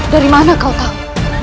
dari mana kau tahu